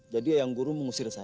jadi ayang guru mengusir saya